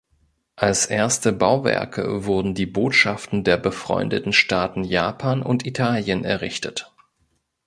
Als erste Bauwerke wurden die Botschaften der befreundeten Staaten Japan und Italien errichtet.